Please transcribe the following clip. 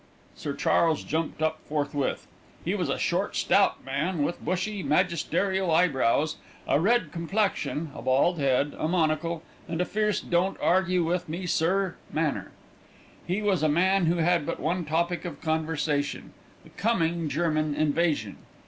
Sir Charles jumped up forthwith. He was a short, stout man, with bushy, magisterial eyebrows, a red complexion, a bald head, a monocle, and a fierce don't argue with me sir manner. He was a man who had but one topic of conversation the coming German invasion.